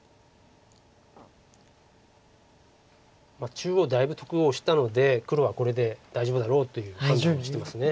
中央だいぶ得をしたので黒はこれで大丈夫だろうという判断をしてます。